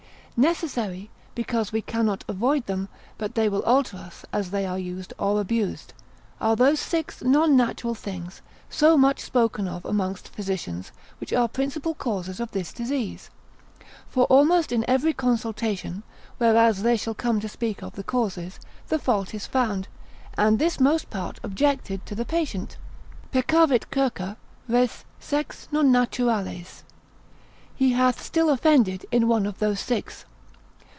Necessary (because we cannot avoid them, but they will alter us, as they are used, or abused) are those six non natural things, so much spoken of amongst physicians, which are principal causes of this disease. For almost in every consultation, whereas they shall come to speak of the causes, the fault is found, and this most part objected to the patient; Peccavit circa res sex non naturales: he hath still offended in one of those six.